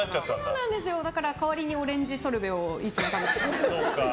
だから、代わりにオレンジソルベをいつも食べています。